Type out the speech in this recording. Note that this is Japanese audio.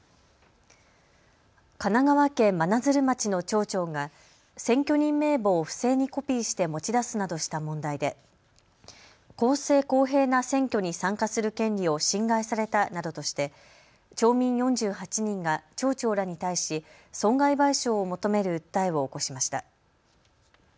神奈川県真鶴町の町長が選挙人名簿を不正にコピーして持ち出すなどした問題で公正、公平な選挙に参加する権利を侵害されたなどとして町民４８人が町長らに対し損害賠償を求める訴えを起こしました。